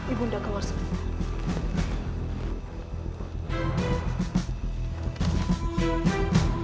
ibu sudah keluar segera